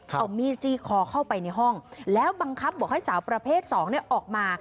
เอามีดจี้คอเข้าไปในห้องแล้วบังคับบอกให้สาวประเภท๒ออกมา